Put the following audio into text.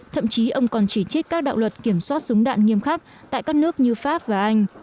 thậm chí ông còn chỉ trích các đạo luật kiểm soát súng đạn nghiêm khắc tại các nước như pháp và anh